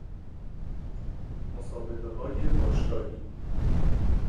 مسابقه های باشگاهی